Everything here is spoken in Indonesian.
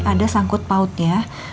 ada sangkut pautnya